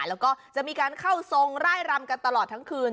แล้วก็จะมีการเข้าทรงไล่รำกันตลอดทั้งคืน